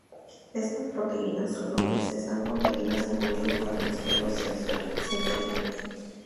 Estas proteínas solubles están contenidas en la linfa de los pelos sensoriales.